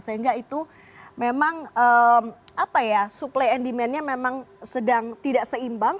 sehingga itu memang supply and demandnya memang sedang tidak seimbang